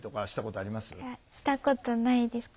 いやしたことないです。